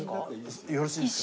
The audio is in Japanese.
よろしいですか？